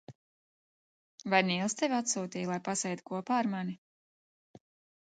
Vai Nīls tevi atsūtīja, lai pasēdi kopā ar mani?